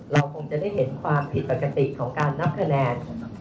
เราคงจะได้เห็นความผิดปกติของการนับคะแนน